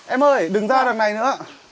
em ơi đừng ra đằng này nữa